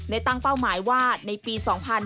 ตั้งเป้าหมายว่าในปี๒๕๕๙